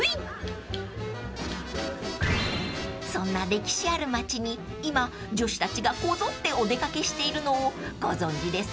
［そんな歴史ある街に今女子たちがこぞってお出掛けしているのをご存じですか？］